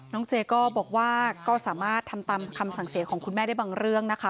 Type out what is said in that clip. เจก็บอกว่าก็สามารถทำตามคำสั่งเสียของคุณแม่ได้บางเรื่องนะคะ